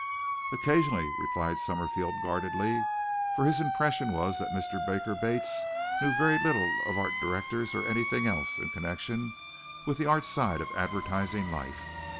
"Occasionally," replied Summerfield guardedly, for his impression was that Mr. Baker Bates knew very little of art directors or anything else in connection with the art side of advertising life.